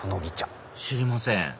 知りません